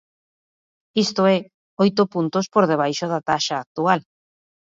Isto é, oito puntos por debaixo da taxa actual.